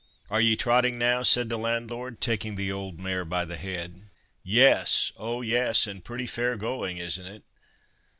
"Are ye trotting now?" said the landlord, taking the old mare by the head. "Yes! oh, yes—and pretty fair going, isn't it?"